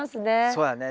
そうやね。